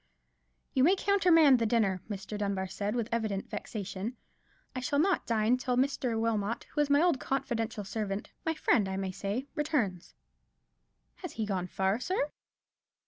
"You may countermand the dinner," Mr. Dunbar said, with evident vexation: "I shall not dine till Mr. Wilmot, who is my old confidential servant—my friend, I may say—returns." "Has he gone far, sir?"